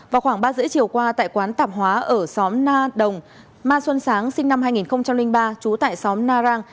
vào khoảng ba h ba mươi chiều qua tại quán tạp hóa ở xóm na đồng ma xuân sáng sinh năm hai nghìn ba trú tại xóm na rang